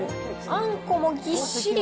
あんこもぎっしり。